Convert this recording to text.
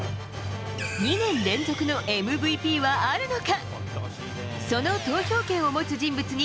２年連続のＭＶＰはあるのか。